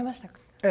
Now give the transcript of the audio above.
ええ。